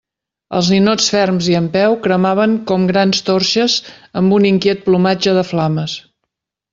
Els ninots ferms i en peu cremaven com grans torxes amb un inquiet plomatge de flames.